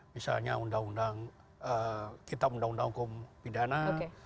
misalnya undang undang kitab undang undang hukum pidana